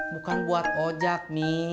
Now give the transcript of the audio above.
bukan buat ojak mi